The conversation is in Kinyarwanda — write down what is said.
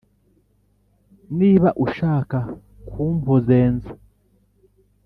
niba ushaka kumpuzenza,